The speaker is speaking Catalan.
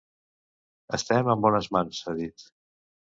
“Estem en bones mans!”, ha dit.